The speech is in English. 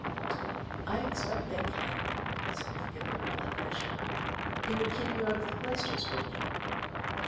"I expect they can," significantly replied the bishop. "He would keep you out of the cloisters, would he?"